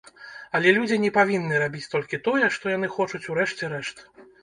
Але людзі не павінны рабіць толькі тое, што яны хочуць, у рэшце рэшт.